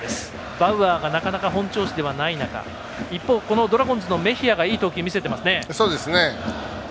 バウアーがなかなか本調子ではない中一方、ドラゴンズのメヒアがいい投球を見せていますね。